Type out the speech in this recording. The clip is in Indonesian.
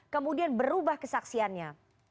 kemudian berubah kesaksiannya